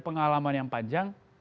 pengalaman yang panjang